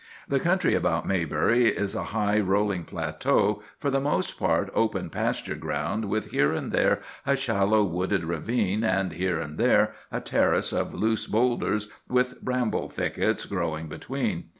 The country about Maybury is a high, rolling plateau, for the most part open pasture ground, with here and there a shallow, wooded ravine, and here and there a terrace of loose bowlders with bramble thickets growing between.